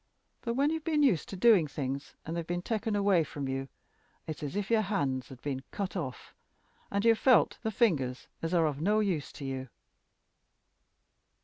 But when you've been used to doing things, and they've been taken away from you, it's as if your hands had been cut off, and you felt the fingers as are of no use to you."